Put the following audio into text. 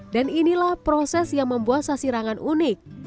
dan inilah proses yang membuat sasirangan unik